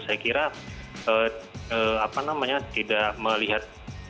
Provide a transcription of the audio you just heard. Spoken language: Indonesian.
saya kira apa namanya tidak melihat